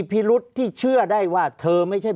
ภารกิจสรรค์ภารกิจสรรค์